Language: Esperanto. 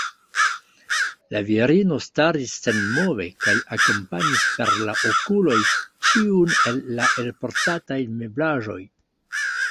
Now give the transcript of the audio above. La virino staris senmove kaj akompanis per la okuloj ĉiun el la elportataj meblaĵoj.